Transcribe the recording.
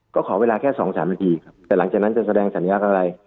ก็ขอเวลาแค่๒๓นาทีครับแต่หลังจากนั้นจะแสดงสัญลักษณ์อะไร